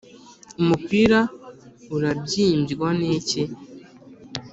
Umupira urabyimbywa n’iki